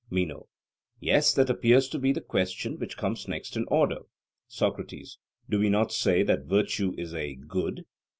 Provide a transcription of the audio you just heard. MENO: Yes, that appears to be the question which comes next in order. SOCRATES: Do we not say that virtue is a good?